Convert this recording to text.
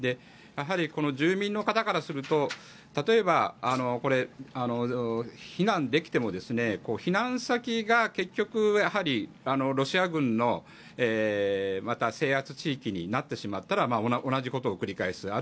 やはり住民の方からすると例えば、これ、避難できても避難先が結局、ロシア軍のまた制圧地域になってしまったら同じことを繰り返す。